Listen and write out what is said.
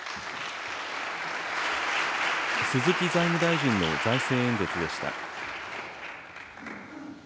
鈴木財務大臣の財政演説でした。